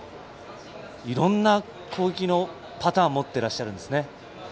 いろんな攻撃のパターンをもってらっしゃるんですね。